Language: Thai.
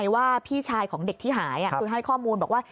ว่าพี่ชายของเด็กที่หายคือให้ข้อมูลบอกว่า